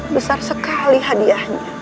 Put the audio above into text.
besar sekali hadiahnya